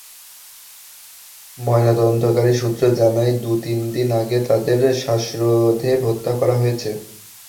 ময়নাতদন্তকারী সূত্র জানায়, দু-তিন দিন আগে তাঁদের শ্বাসরোধে হত্যা করা হয়েছে।